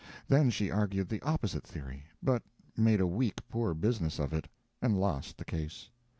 Then she argued the opposite theory, but made a weak, poor business of it, and lost the case.